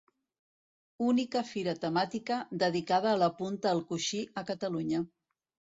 Única fira temàtica dedicada a la punta al coixí a Catalunya.